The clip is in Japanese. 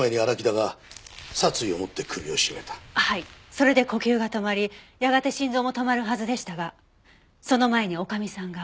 それで呼吸が止まりやがて心臓も止まるはずでしたがその前に女将さんが。